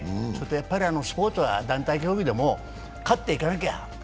それと、スポーツは団体競技でも勝っていかなきゃ。